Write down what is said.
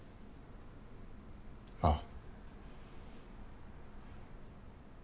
ああ。